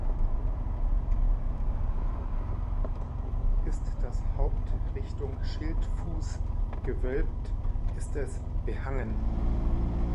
Ist das Haupt Richtung Schildfuß gewölbt, ist es "behangen".